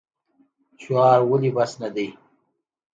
شعار ولې بس نه دی؟